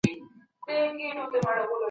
واک ته رسېدل بايد د خلکو د ارادې پر بنسټ وي.